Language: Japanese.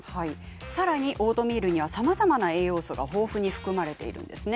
さらにオートミールにはさまざまな栄養素が豊富に含まれているんですね。